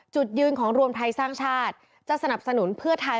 จุดยืนของรวมไทยสร้างชาติจะสนับสนุนเพื่อไทย